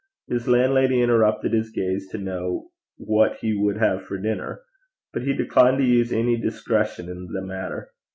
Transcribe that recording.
His landlady interrupted his gaze to know what he would have for dinner, but he declined to use any discretion in the matter.